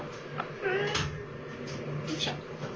よいしょ。